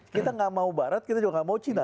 kita tidak mau barat kita juga tidak mau cina